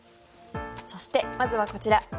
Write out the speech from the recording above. そして、まずはこちら。